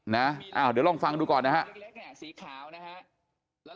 เดี๋ยวลองฟังดูก่อนนะครับ